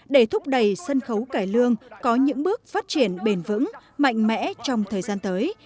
để thúc đẩy sân khấu cải lương có những bước phát triển bền vững mạnh mẽ trong thời gian tới